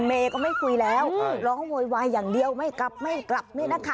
เมก็ไม่คุยแล้วร้องโหยวายอย่างเดียวไม่กลับไม่กลับ